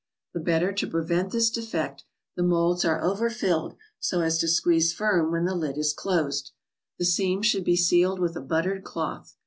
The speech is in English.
The better to pre¬ vent this defect, the molds are over filled, so as to squeeze firm when the lid is closed. The seam should be sealed with a buttered cloth.